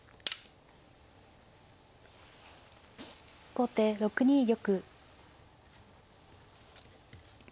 後手６二玉。